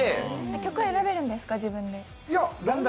曲は選べるんですか、自分で。